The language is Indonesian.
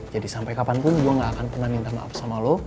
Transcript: jadi sampe kapanpun gue gak akan pernah minta maaf sama lo